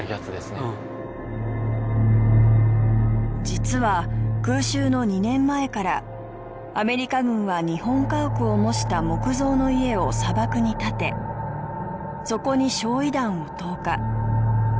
実は空襲の２年前からアメリカ軍は日本家屋を模した木造の家を砂漠に建てそこに焼夷弾を投下。